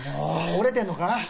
折れてるのか？